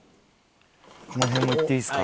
この辺もいっていいですか？